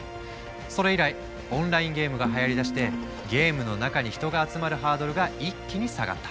それ以来オンラインゲームがはやりだしてゲームの中に人が集まるハードルが一気に下がった。